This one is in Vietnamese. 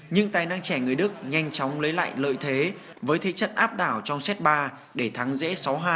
nhưng tài năng trẻ người đức nhanh chóng lấy lại lợi thế với thế trận áp đảo trong set ba để thắng dễ sáu hai